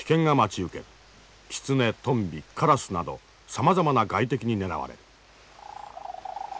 キツネトンビカラスなどさまざまな外敵に狙われる。